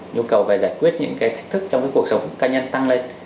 nhu cầu về giải quyết những cái thách thức trong cuộc sống ca nhân tăng lên